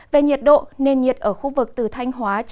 về nhiệt độ nền nhiệt ở khu vực từ thanh hóa